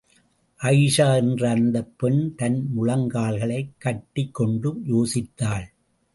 அயீஷா என்ற அந்தப் பெண் தன் முழங்கால்களைக் கட்டிக் கொண்டு யோசித்தாள்.